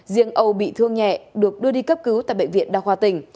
riêng âu bị thương nhẹ được đưa đi cấp cứu tại bệnh viện đa khoa tỉnh